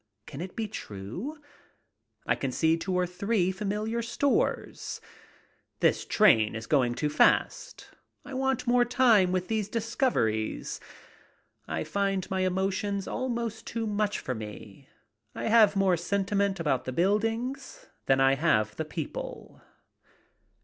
Can it be true ? I can see two or three familiar stores. This train is going too fast. I want more time with these dis coveries. I find my emotions almost too much for me. I have more sentiment about the buildings than I have the people.